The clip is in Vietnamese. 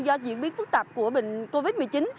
do diễn biến phức tạp của bệnh covid một mươi chín